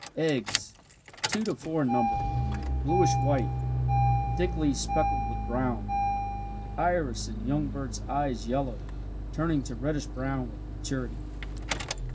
Eggs two to four in number, bluish white, thickly speckled with brown. Iris in young bird's eyes yellow turning to reddish brown with maturity.